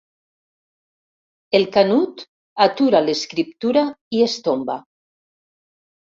El Canut atura l'escriptura i es tomba.